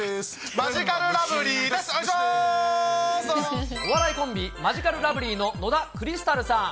マヂカルラブリーです、お笑いコンビ、マヂカルラブリーの野田クリスタルさん。